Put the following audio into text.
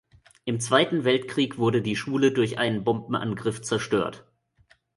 Im Zweiten Weltkrieg wurde die Schule durch einen Bombenangriff zerstört.